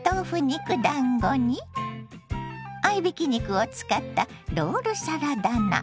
肉だんごに合いびき肉を使ったロールサラダ菜。